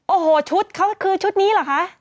โอ้โหชุดเขาคือชุดนี้เหรอคะ